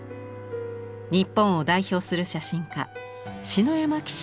日本を代表する写真家篠山紀信